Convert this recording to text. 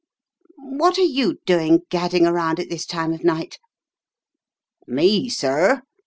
"What are you doing gadding around at this time of night?" "Me, sir?"